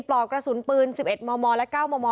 พวกมันต้องกินกันพี่